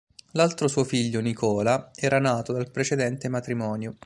L'altro suo figlio, Nicola, era nato dal precedente matrimonio.